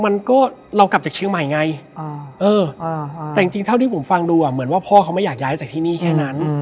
มันก็เรากลับจากเชียงใหม่ไงแต่จริงเท่าที่ผมฟังดูอ่ะเหมือนว่าพ่อเขาไม่อยากย้ายจากที่นี่แค่นั้น